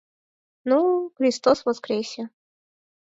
Ну, «Кристос воскресе».